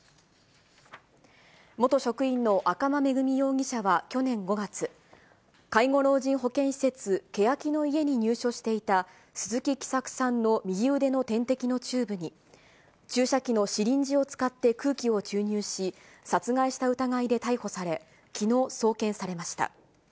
元職員の赤間恵美容疑者は去年５月、介護老人保健施設、けやきの舎に入所していた鈴木喜作さんの右腕の点滴のチューブに、注射器のシリンジを使って空気を注入し、殺害した疑いで逮捕され、きのう、送検されました。